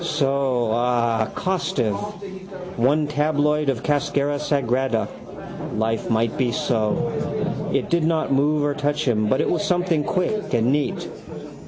So. Ah! Costive. One tabloid of cascara sagrada. Life might be so. It did not move or touch him but it was something quick and neat.